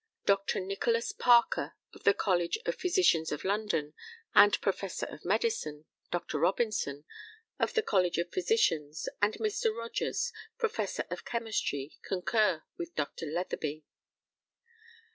Dr. Nicholas Parker, of the College of Physicians of London, and professor of medicine, Dr. Robinson, of the College of Physicians, and Mr. Rogers, professor of chemistry, concur with Dr. Letheby.